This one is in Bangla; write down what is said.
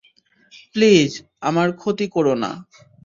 প্লিজ, আমার ক্ষতি কোরো না।